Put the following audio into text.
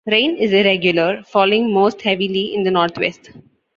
Rain is irregular, falling most heavily in the northwest.